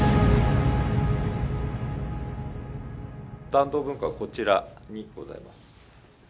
團藤文庫はこちらにございます。